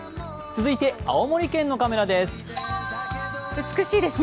続いて青森県のカメラです。